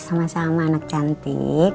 sama sama anak cantik